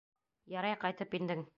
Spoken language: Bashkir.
— Ярай ҡайтып индең.